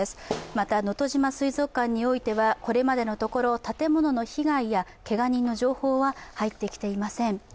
またのとじま水族館においてはこれまでのところ、けが人の情報は入ってきていません。